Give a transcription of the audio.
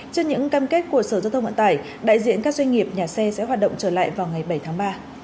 trước những cam kết của sở giao thông vận tải đại diện các doanh nghiệp nhà xe sẽ hoạt động trở lại vào ngày bảy tháng ba